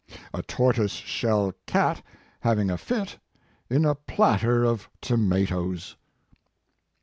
"A tortoise shell cat having a fit in a platter of tomatoes."